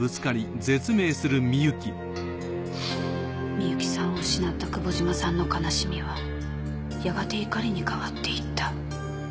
深雪さんを失った久保島さんの悲しみはやがて怒りに変わっていった。